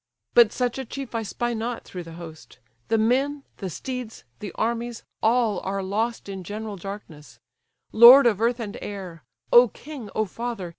But such a chief I spy not through the host: The men, the steeds, the armies, all are lost In general darkness—Lord of earth and air! Oh king! Oh father!